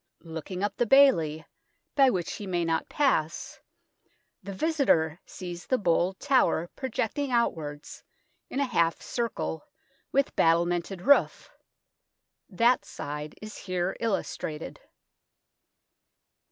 Looking up the bailey, by which he may not pass, the visitor sees the bold tower projecting outwards in a half circle, with battlemented roof. That side is here illustrated.